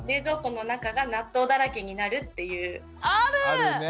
あるね。